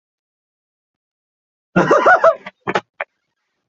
最后约翰八世在位期间还是基本上抵挡住了奥斯曼帝国的入侵。